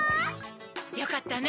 よかったね